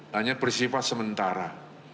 hanya bersifat sementara